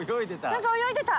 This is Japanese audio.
何か泳いでる。